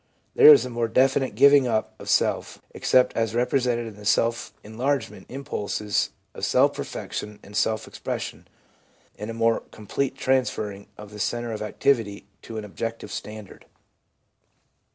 There is a more definite giving up of self, except as represented in the self enlargement im pulses of self perfection and self expression ; and a more complete transterring of the centre of activity to an objective standard.